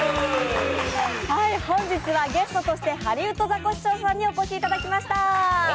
本日はゲストとしてハリウッドザコシショウさんにお越しいただきました。